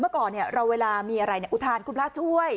เมื่อก่อนเราเวลามีอะไรอุทานคุณพระช่วย